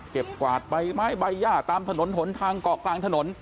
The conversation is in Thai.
กวาดใบไม้ใบย่าตามถนนหนทางเกาะกลางถนน